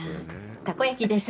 たこ焼きです」